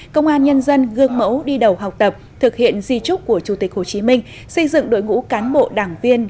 công an nhân dân gương mẫu đi đầu học tập thực hiện di trúc của chủ tịch hồ chí minh xây dựng đội ngũ cán bộ đảng viên